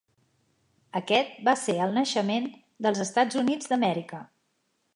Aquest va ser el naixement dels Estats Units d'Amèrica.